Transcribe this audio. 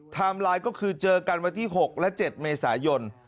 ไลน์ก็คือเจอกันวันที่๖และ๗เมษายน